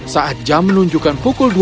saat jam menunjukkan pukul dua belas